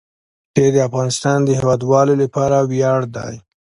ښتې د افغانستان د هیوادوالو لپاره ویاړ دی.